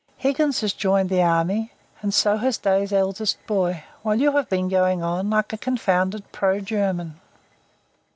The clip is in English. Higgins has joined the army, and so has Day's eldest boy, while you have been going on like a confounded pro German."